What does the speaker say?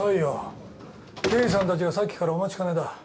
刑事さんたちがさっきからお待ちかねだ。